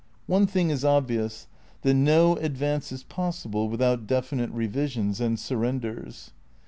One thing is obvious : that no advance is possible without definite revisions and surrenders.